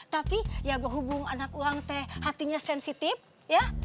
tapi ya berhubung anak uang teh hatinya sensitif ya